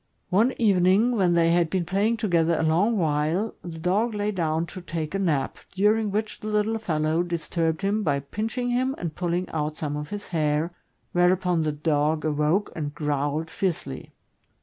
One evening, when they had been playing together a long while, the dog lay down to take a nap, during which the little fellow disturbed him by pinching him and pulling out some of his hair, whereupon the dog awoke and ^growled fiercely.